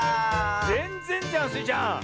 ぜんぜんじゃんスイちゃん。